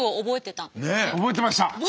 覚えてました！